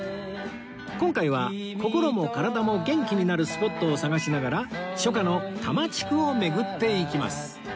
今回は心も体も元気になるスポットを探しながら初夏の多摩地区を巡っていきます